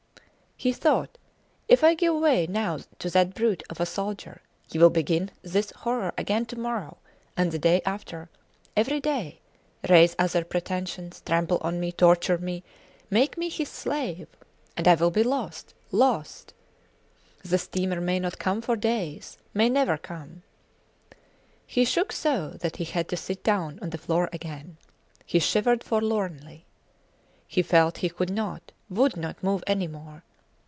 He thought: If I give way now to that brute of a soldier, he will begin this horror again to morrow and the day after every day raise other pretensions, trample on me, torture me, make me his slave and I will be lost! Lost! The steamer may not come for days may never come. He shook so that he had to sit down on the floor again. He shivered forlornly. He felt he could not, would not move any more.